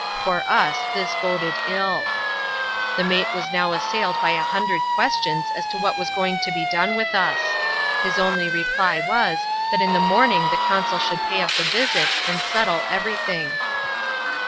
For us, this boded ilL . The mate was now assailed by a hundred questions as to what was going to be done with us. His only reply was, that in the morning the consul would pay us a visit, and settle every thing.